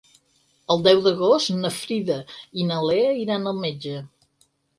El deu d'agost na Frida i na Lea iran al metge.